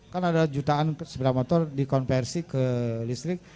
kan ada jutaan sepeda motor dikonversi ke listrik